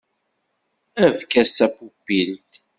Efk-as tapupilt!